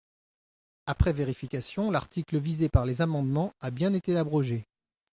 Après vérification, l’article visé par les amendements a bien été abrogé.